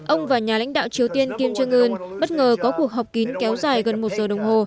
ông và nhà lãnh đạo triều tiên kim jong un bất ngờ có cuộc họp kín kéo dài gần một giờ đồng hồ